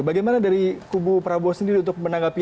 bagaimana dari kubu prabowo sendiri untuk menanggapi